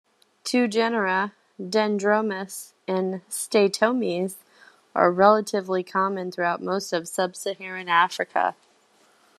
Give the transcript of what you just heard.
Two genera, "Dendromus" and "Steatomys", are relatively common throughout most of sub-Saharan Africa.